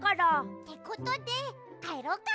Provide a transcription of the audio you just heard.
ってことでかえろうか！